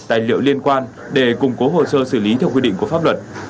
tài liệu liên quan để củng cố hồ sơ xử lý theo quy định của pháp luật